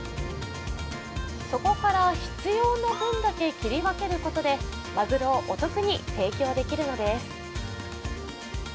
そこから必要な分だけ切り分けることでまぐろをお得に提供できるのです。